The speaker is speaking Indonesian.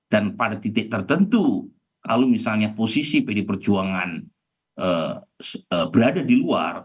dan pada titik tertentu kalau misalnya posisi pd perjuangan berada di luar